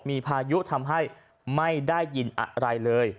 มีพายุทำให้ไม่ได้ยินอะไรเลย